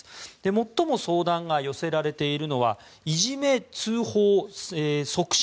最も相談が寄せられているのがいじめ通報促進